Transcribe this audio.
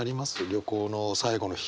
旅行の最後の日。